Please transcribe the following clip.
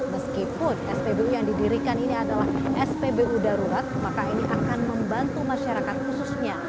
meskipun spbu yang didirikan ini adalah spbu darurat maka ini akan membantu masyarakat khususnya